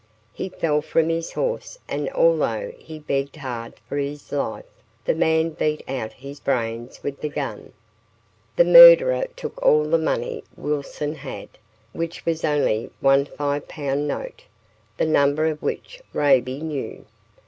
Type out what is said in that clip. He fell from his horse, and although he begged hard for his life, the man beat out his brains with the gun. The murderer took all the money Wilson had, which was only one five pound note, the number of which Raibey knew.